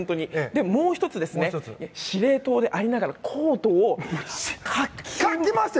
もう１つ、司令塔でありながらコートをかき回して。